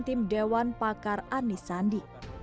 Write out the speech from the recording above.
tim dewan pakar anis sandi